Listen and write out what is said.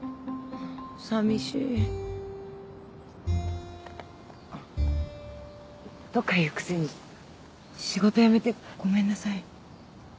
寂しい。とか言うくせに仕事辞めてごめんなさい。